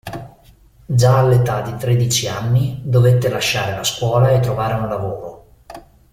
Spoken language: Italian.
Già all'età di tredici anni dovette lasciare la scuola e trovare un lavoro.